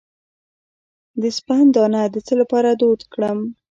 د سپند دانه د څه لپاره دود کړم؟